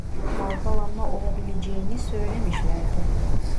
Dalgalanma olabileceğini söylemişlerdi